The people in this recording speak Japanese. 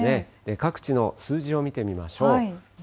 各地の数字を見てみましょう。